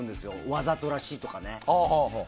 わざとらしいとかね。